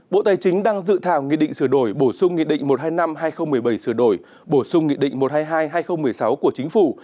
bộ tài chính đang dự thảo nghị định sửa đổi bổ sung nghị định một trăm hai mươi năm hai nghìn một mươi bảy sửa đổi bổ sung nghị định một trăm hai mươi hai hai nghìn một mươi sáu của chính phủ